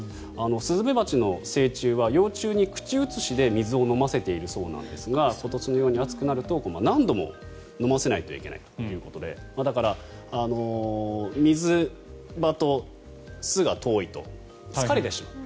スズメバチの成虫は幼虫に口移しで水を飲ませているそうなんですが今年のように暑くなると何度も飲ませないといけないということでだから、水場と巣が遠いと疲れてしまう。